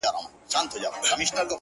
ها جلوه دار حُسن په ټوله ښاريه کي نسته،